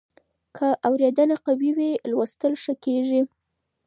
که اورېدنه قوي وي، لوستل ښه کېږي.